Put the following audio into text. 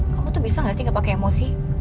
kamu tuh bisa gak sih gak pakai emosi